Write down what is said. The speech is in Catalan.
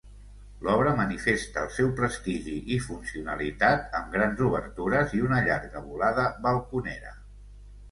L'obra manifesta el seu prestigi i funcionalitat amb grans obertures i una llarga volada balconera.